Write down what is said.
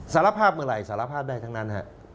สารภาพเมื่อไหร่สารภาพได้ทั้งนั้น